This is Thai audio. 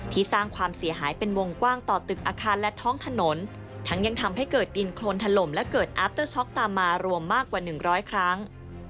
สร้างความเสียหายเป็นวงกว้างต่อตึกอาคารและท้องถนนทั้งยังทำให้เกิดดินโครนถล่มและเกิดอาร์เตอร์ช็อกตามมารวมมากกว่า๑๐๐ครั้ง